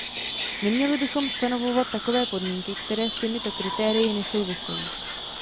Neměli bychom stanovovat takové podmínky, které s těmito kritérii nesouvisejí.